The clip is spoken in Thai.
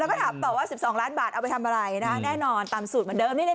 แล้วก็ถามต่อว่า๑๒ล้านบาทเอาไปทำอะไรนะแน่นอนตามสูตรเหมือนเดิม